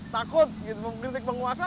takut mengkritik penguasa